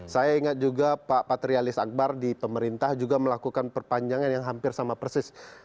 saya ingat juga pak patrialis akbar di pemerintah juga melakukan perpanjangan yang hampir sama persis